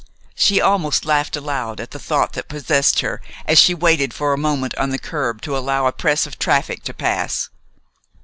She almost laughed aloud at the thought that possessed her as she waited for a moment on the curb to allow a press of traffic to pass.